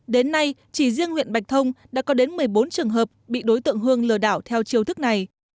đến nay chỉ riêng huyện bạch thông đã có đến một mươi bốn trường hợp bị đối tượng hương lừa đảo theo chiều thức này